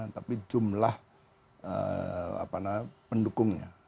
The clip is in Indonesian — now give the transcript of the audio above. tapi jumlah pendukungnya